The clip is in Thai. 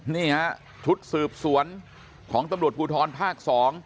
นี่ฮะชุดสืบสวนของตำรวจภูทรภาค๒